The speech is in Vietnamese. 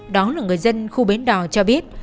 đó là người dân khu bến đò cho biết